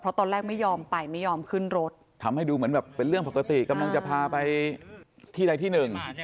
เพราะตอนแรกไม่ยอมไปไม่ยอมขึ้นรถทำให้ดูเหมือนแบบเป็นเรื่องปกติกำลังจะพาไปที่ใดที่หนึ่ง